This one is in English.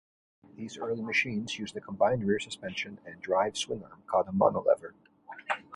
These early machines used a combined rear suspension and drive swingarm called a Monolever.